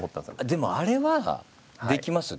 でもあれはできますよ